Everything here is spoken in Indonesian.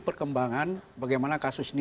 perkembangan bagaimana kasus ini